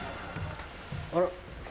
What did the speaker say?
あら？